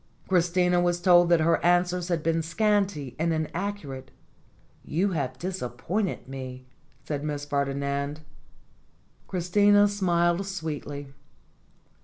Christina was told that her answers had been scanty and inaccurate. "You have disappointed me," said Miss Ferdinand. Christina smiled sweetly.